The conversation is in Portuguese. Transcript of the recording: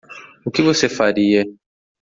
O que você faria?